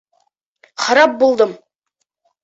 Харап булдым!